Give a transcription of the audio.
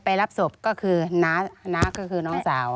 รับศพก็คือน้าก็คือน้องสาว